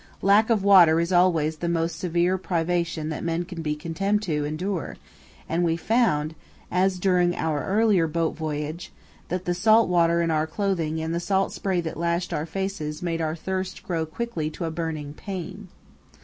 Lack of water is always the most severe privation that men can be condemned to endure, and we found, as during our earlier boat voyage, that the salt water in our clothing and the salt spray that lashed our faces made our thirst grow quickly to a burning pain.